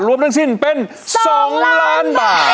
รวมทั้งสิ้นเป็น๒ล้านบาท